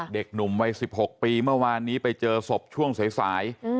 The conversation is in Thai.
เด็กหนุ่มวัย๑๖ปีเมื่อวานนี้ไปเจอศพช่วงสาย